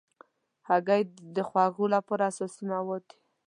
هګۍ د خواږو لپاره اساسي مواد دي.